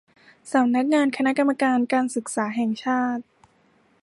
สำนักงานคณะกรรมการการศึกษาแห่งชาติ